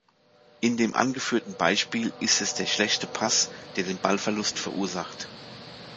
In dem angeführten Beispiel ist es der schlechte Pass, der den Ballverlust verursacht.